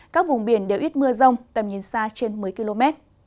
các vùng biển đều ít mưa rông tầm nhìn xa trên một mươi km